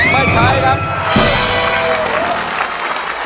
ไม่ใช้ครับ